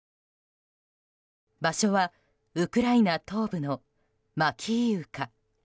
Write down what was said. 場所はウクライナ東部のマキイウカ。